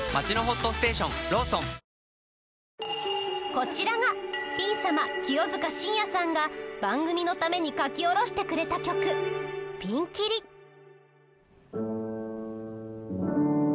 こちらがピン様清塚信也さんが番組のために書き下ろしてくれた曲『ＰｉｎＫｉｒｉ』。